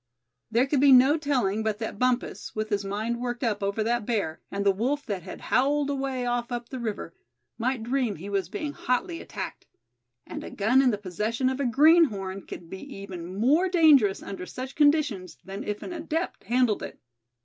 There could be no telling but that Bumpus, with his mind worked up over that bear, and the wolf that had howled away off up the river, might dream he was being hotly attacked. And a gun in the possession of a greenhorn can be even more dangerous under such conditions than if an adept handled it.